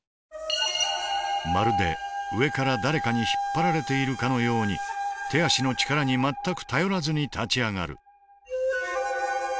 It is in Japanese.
まるで上から誰かに引っ張られているかのように手足の力に全く頼らずに立ち上がる。